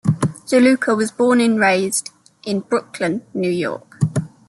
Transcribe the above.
De Luca was born and raised in Brooklyn, New York.